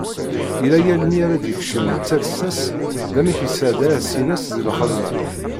Yella yal mi ara d-yekcem yettales-as- d amek yesɛedda ass-ines di lxedma.